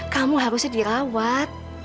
kamu harusnya dirawat